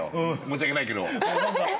申し訳ないけど。